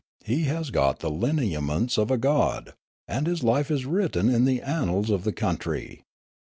He has got the lineaments of a god, and his life is written in the annals of the country.